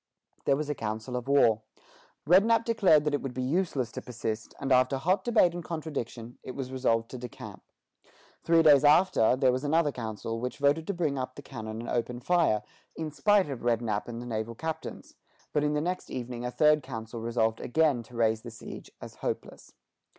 There was a council of war. Rednap declared that it would be useless to persist; and after hot debate and contradiction, it was resolved to decamp. Three days after, there was another council, which voted to bring up the cannon and open fire, in spite of Rednap and the naval captains; but in the next evening a third council resolved again to raise the siege as hopeless.